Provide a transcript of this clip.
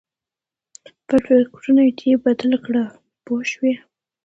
خپل فکرونه دې بدل کړه پوه شوې!.